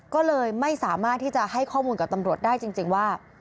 ก็เลยไม่สามารถที่จะให้ข้อมูลกับตำรวจได้จริงว่า